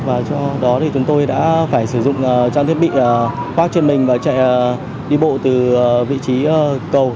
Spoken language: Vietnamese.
và đó thì chúng tôi đã phải sử dụng trang thiết bị khoác trên mình và chạy đi bộ từ vị trí cầu